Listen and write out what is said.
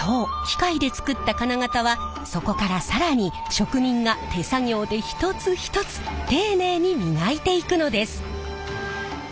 機械で作った金型はそこから更に職人が手作業で一つ一つ丁寧に磨いていくのです。